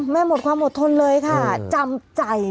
แม่หมดความหกทนเลยค่ะ